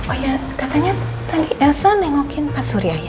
oh ya katanya tadi elsa nengokin pak surya ya